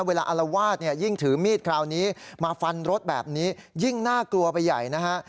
อารวาสเนี่ยยิ่งถือมีดคราวนี้มาฟันรถแบบนี้ยิ่งน่ากลัวไปใหญ่นะฮะ